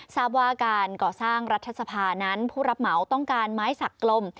ทราบว่าการก่อสร้างรัฐสภานั้นผู้รับเหมาต้องการไม้สักกลม